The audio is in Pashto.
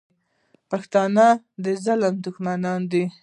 پښتون د ظالم دښمن دی.